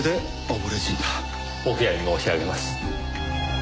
お悔やみ申し上げます。